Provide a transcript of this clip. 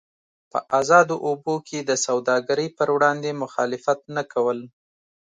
په ازادو اوبو کې د سوداګرۍ پر وړاندې مخالفت نه کول.